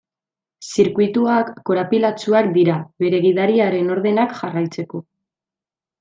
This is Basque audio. Zirkuituak korapilatsuak dira, bere gidariaren ordenak jarraitzeko.